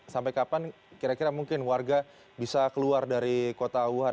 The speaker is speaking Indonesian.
sampai kapan kira kira mungkin warga bisa keluar dari kota wuhan